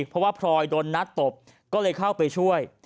เพราะว่าพลอยโดนนัดตบก็เลยเข้าไปช่วย